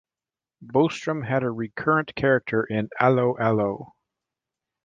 Bostrom had a recurrent character in 'Allo 'Allo!